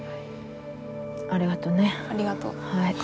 ありがとね。